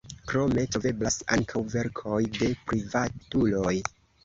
Krome troveblas ankaŭ verkoj de privatuloj.